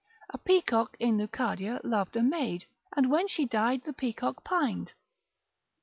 A peacock in Lucadia loved a maid, and when she died, the peacock pined.